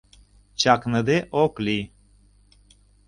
Чакныде ок лий.